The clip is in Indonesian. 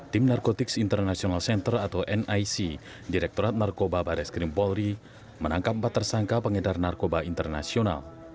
tim narkotics international center atau nic direkturat narkoba baris krim polri menangkap empat tersangka pengedar narkoba internasional